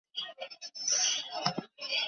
然而它们有能力直接从高处滑行到地面。